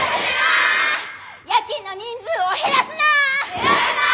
夜勤の人数を減らすなー！